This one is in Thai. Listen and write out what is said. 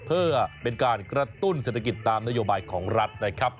เพื่อเป็นการกระตุ้นเศรษฐกิจตามนโยบายของรัฐนะครับ